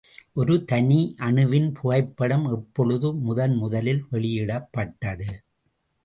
ஒரு தனி அணுவின் புகைப்படம் எப்பொழுது முதன்முதலில் வெளியிடப்பட்டது?